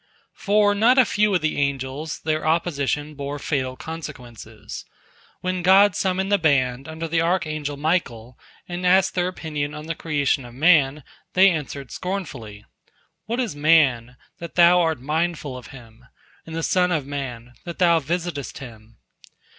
" For not a few of the angels their opposition bore fatal consequences. When God summoned the band under the archangel Michael, and asked their opinion on the creation of man, they answered scornfully: "What is man, that Thou art mindful of him? And the son of man, that Thou visitest him?"